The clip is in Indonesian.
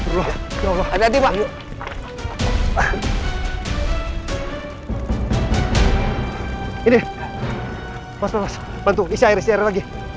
udah ada sayang udah ya